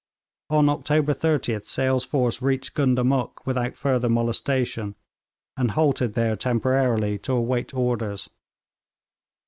On October 30th Sale's force reached Gundamuk without further molestation, and halted there temporarily to await orders.